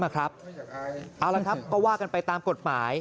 เอาละครับก็ว่ากันไปตามกฎหมาย